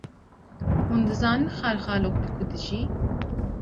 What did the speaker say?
Hûn dizanin xalxalok li ku dijî?